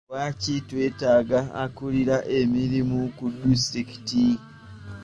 Lwaki twetaaga akulira emirimu ku disitulikiti?